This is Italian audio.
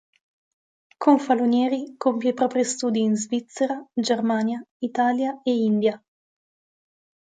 Confalonieri compie i propri studi in Svizzera, Germania, Italia e India.